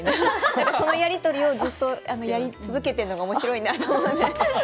そのやり取りを続けているのがおもしろいなって。